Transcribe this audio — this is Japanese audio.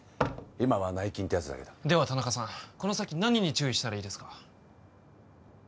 今は内勤ってやつだけどでは田中さんこの先何に注意したらいいですか？